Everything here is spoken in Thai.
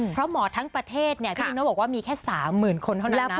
เพราะหมอทั้งประเทศเนี่ยพี่นุบอกว่ามีแค่๓๐๐๐คนเท่านั้นนะ